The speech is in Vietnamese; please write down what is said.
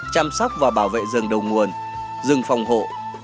chăm sóc và bảo vệ rừng đầu nguồn rừng phòng hộ